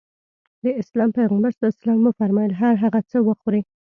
د اسلام پيغمبر ص وفرمايل هر هغه څه وخورې.